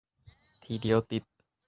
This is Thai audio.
ทีเดียวติด